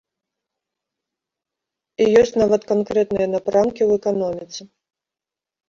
І ёсць нават канкрэтныя напрамкі ў эканоміцы.